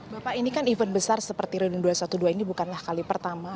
bapak ini kan event besar seperti reuni dua ratus dua belas ini bukanlah kali pertama